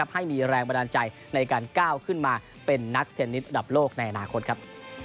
ให้มีแรงบันดาลใจในการก้าวขึ้นมาเป็นนักเทนนิสระดับโลกในอนาคตครับ